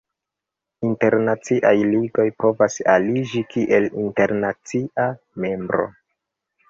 Internaciaj ligoj povas aliĝi kiel internacia membro.